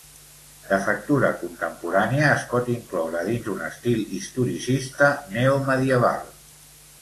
De factura contemporània, es pot incloure dins un estil historicista neomedieval.